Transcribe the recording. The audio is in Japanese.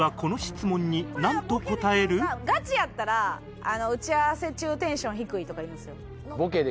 ガチやったら「打ち合わせ中テンション低い」とか言うんですよ。